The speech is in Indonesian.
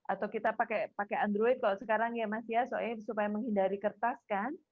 atau kita pakai android kalau sekarang ya mas ya soalnya supaya menghindari kertas kan